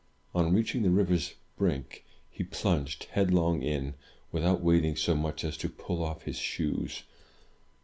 On reaching the river's brink, he plunged headlong in, without wait ing so much as to pull off his shoes.